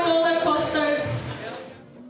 susah seperti sebuah poster tua